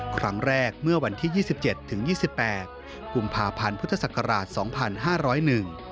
ครั้งแรกเมื่อวันที่๒๗๒๘กุมภาพันธ์พุทธศักราช๒๕๐๑